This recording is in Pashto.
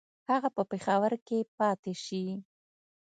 هغه په پېښور کې پاته شي.